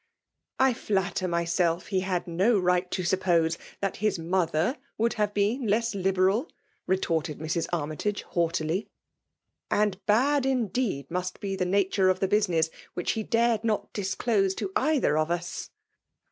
" I flatter myself he had no right to sap pose that his mother would have been iesB liberal,'' retorted Mrs. Armytage haughtily. " And bad indeed must be the nature of the business which he dared not disdose to either of us."